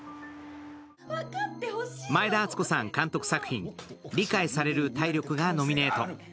前田敦子さん監督作品「理解される体力」がノミネート。